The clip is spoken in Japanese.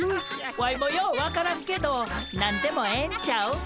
ワイもよう分からんけど何でもええんちゃう？